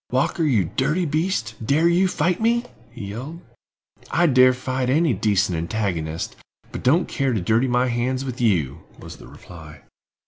Walker, you dirty beast, dare you fight me?" he yelled. "I dare fight any decent antagonist, but don't care to dirty my hands with you," was the reply.